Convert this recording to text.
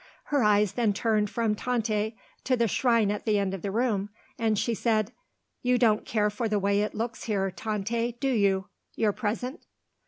Her eyes then turned from Tante to the shrine at the end of the room, and she said: "You don't care for the way it looks here, Tante, do you your present?"